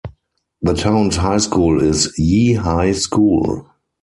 The town's high school is Yea High School.